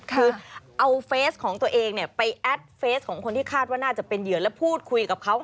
คือเอาเฟสของตัวเองไปแอดเฟสของคนที่คาดว่าน่าจะเป็นเหยื่อแล้วพูดคุยกับเขา